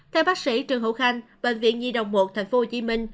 theo bác sĩ trần hữu khanh bệnh viện nhi đồng một tp hcm